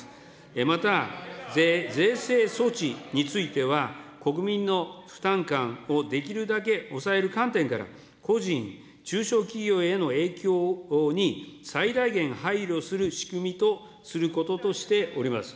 また、税制措置については、国民の負担感をできるだけ抑える観点から、個人、中小企業への影響に最大限配慮する仕組みとすることとしております。